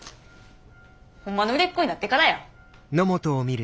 ホンマの売れっ子になってからや。